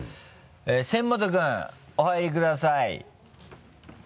仙本君お入りください。